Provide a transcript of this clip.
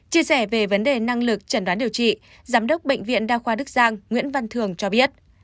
chia sẻ về vấn đề năng lực trần đoán điều trị giám đốc bệnh viện đa khoa đức giang nguyễn văn thường cho biết